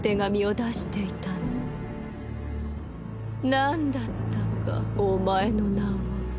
何だったかお前の名は。